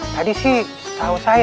tadi sih tau saya